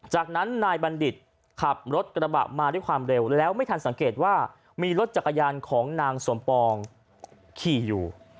จากนั้นนายบัณฑิตขับรถกระบะมาด้วยความเร็วแล้วไม่ทันสังเกตว่ามีรถจักรยานของนางสมปองขี่อยู่